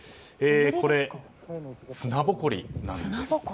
これ、砂ぼこりなんです。